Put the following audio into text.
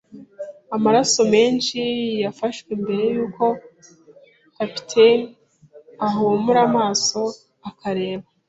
Amaraso menshi yafashwe mbere yuko capitaine ahumura amaso akareba